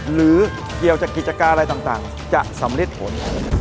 หรือเกี่ยวกับกิจการอะไรต่างจะสำริดผล